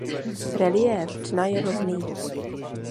Reliéf dna je rovný.